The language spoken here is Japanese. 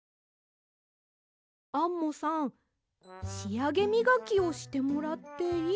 アンモさんしあげみがきをしてもらっていいですか？